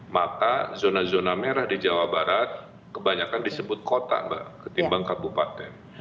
maka zona zona merah di jawa barat kebanyakan disebut kota mbak ketimbang kabupaten